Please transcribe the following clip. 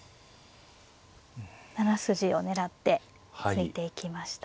７筋を狙って突いていきました。